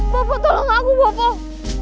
bapak tolong aku bapak